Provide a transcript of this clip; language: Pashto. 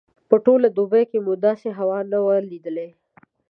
په ټوله دوبي کې مو داسې هوا نه وه لیدلې.